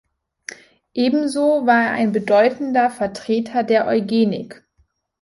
Ebenso war er ein bedeutender Vertreter der Eugenik.